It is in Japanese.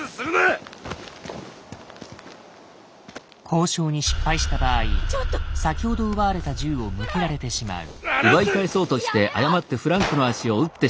交渉に失敗した場合先ほど奪われた銃を向けられてしまう。